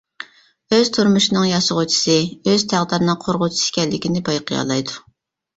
ئۆز تۇرمۇشىنىڭ ياسىغۇچىسى ئۆز تەقدىرىنىڭ قۇرغۇچىسى ئىكەنلىكىنى بايقىيالايدۇ.